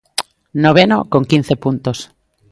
Noveno con quince puntos.